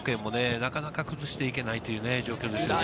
なかなか崩して行けないという状況ですね。